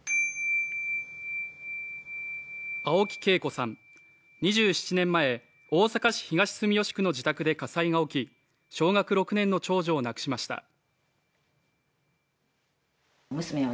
青木惠子さん、２７年前、大阪市東住吉区の自宅で火災が起き小学６年の長女を亡くしました。